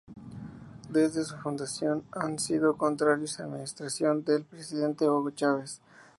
Desde su fundación han sido contrarios a la administración del presidente Hugo Chávez.